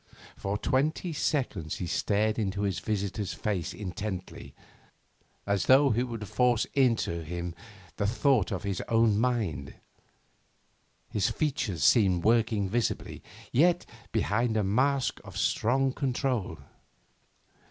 For twenty seconds he stared into his visitor's face intently, as though he would force into him the thought in his own mind. His features seemed working visibly, yet behind a mask of strong control.